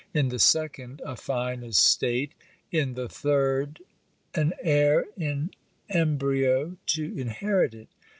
In the second, a fine estate. In the third, an heir (in embrio) to inherit it.